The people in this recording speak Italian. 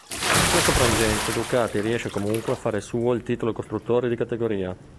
In questo frangente Ducati riesce comunque a fare suo il titolo costruttori di categoria.